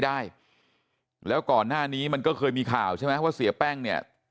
ได้แล้วก่อนหน้านี้มันก็เคยมีข่าวใช่ไหมว่าเสียแป้งเนี่ย